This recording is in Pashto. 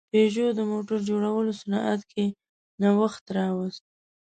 پيژو د موټر جوړولو صنعت کې نوښت راوست.